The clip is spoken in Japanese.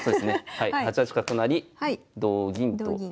はい８八角成同銀と同銀。